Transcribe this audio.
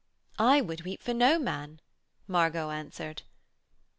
'I would weep for no man,' Margot answered.